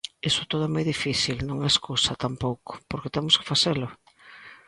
Iso todo é moi difícil, non é escusa, tampouco, porque temos que facelo.